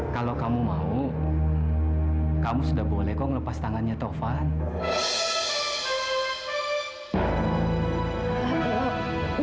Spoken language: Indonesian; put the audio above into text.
kalau kamu mau kamu sudah boleh lepas tangannya tovan